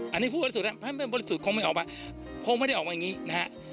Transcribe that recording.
อันนี้ผู้บริสุทธิ์นะครับถ้าไม่เป็นบริสุทธิ์คงไม่ออกมาคงไม่ได้ออกมาอย่างนี้นะครับ